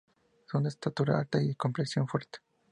Son de estatura alta y complexión fuerte.